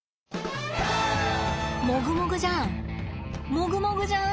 もぐもぐじゃん。